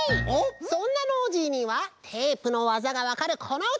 そんなノージーにはテープのわざがわかるこのうた！